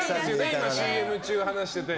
今、ＣＭ中に話してて。